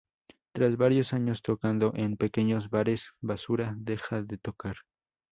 Tras varios años tocando en pequeños bares, Basura deja de tocar.